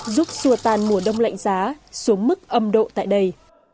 giúp xua tàn mùa đông lạnh giá xuống mức âm độ tại đây